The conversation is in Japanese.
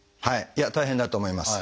いや大変だと思います。